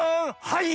はい！